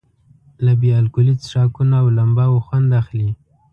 له بې الکولي څښاکونو او لمباوو خوند اخلي.